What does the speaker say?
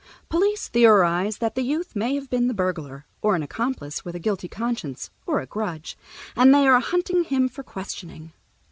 Police theorize that the youth may have been the burglar, or an accomplice with a guilty conscience or a grudge, and they are hunting him for questioning.